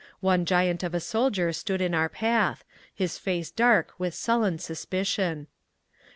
One giant of a soldier stood in our path, his face dark with sullen suspicion.